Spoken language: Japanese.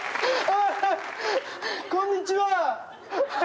こんにちは！